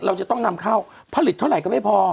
เราจะต้องนำเข้าผลิตเท่าไหร่ก็ไม่พอ